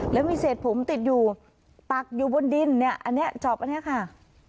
แล้วมีเศษผมติดอยู่ปักอยู่บนดินเนี่ยอันนี้จอบอันนี้ค่ะ